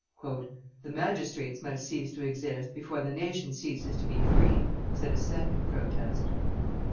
"The magistrates must cease to exist before the nation ceases to be free," said a second protest.